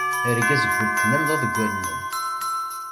Argaz n weltma-m d aḍewwal-nnem.